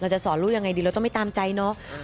จะสอนลูกยังไงดีเราต้องไม่ตามใจเนาะ